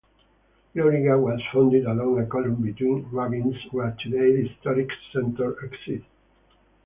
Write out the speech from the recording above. Loriga was founded along a column between ravines where today the historic centre exists.